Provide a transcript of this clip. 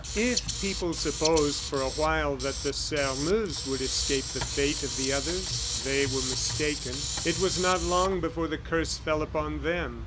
If people supposed for awhile that the Sairmeuse would escape the fate of the others, they were mistaken. It was not long before the curse fell upon them.